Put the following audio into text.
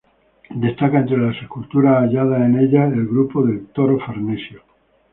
Destaca entre las esculturas halladas en ellas, el grupo del "Toro Farnesio".